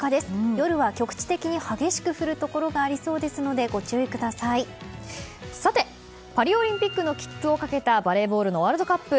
夜は局地的に激しく降るところがありそうですのでパリオリンピックの切符をかけたバレーボールのワールドカップ。